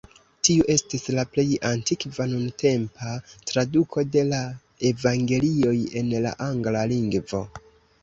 Tiu estis la plej antikva nuntempa traduko de la Evangelioj en la angla lingvo.